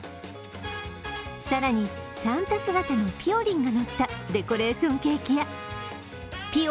更に、サンタ姿のぴよりんが乗ったデコレーションケーキやぴよ